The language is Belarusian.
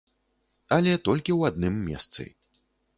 Але толькі ў адным месцы.